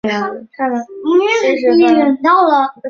湖北沔阳人。